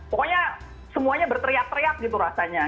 pokoknya semuanya berteriak teriak gitu rasanya